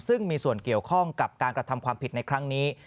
ซึ่งมีส่วนเกี่ยวข้องกับการกระทำความผิดในครั้งนี้